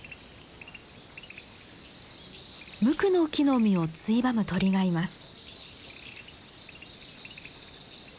ムクノキの実をついばむ鳥がいます。